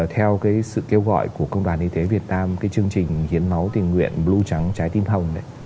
theo sự kêu gọi của công đoàn y tế việt nam cái chương trình hiến máu tình nguyện blue trắng trái tim hồng